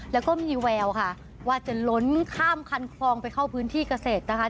แล้วก็มีแววค่ะว่าจะล้นข้ามคันคลองไปเข้าพื้นที่เกษตรนะคะ